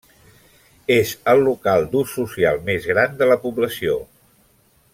És el local d'ús social més gran de la població.